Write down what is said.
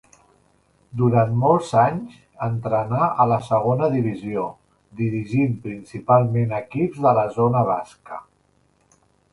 Durant molts anys entrenà a la segona divisió, dirigint principalment equips de la zona basca.